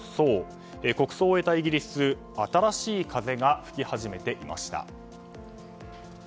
国葬を終えたイギリス新しい風が吹き始めていました。